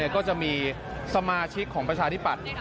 ก็จะมีสมาชิกของประชาธิปัตย์